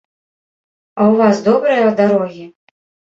А ў вас добрыя дарогі?